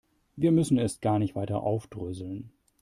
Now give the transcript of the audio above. Wir müssen es gar nicht weiter aufdröseln.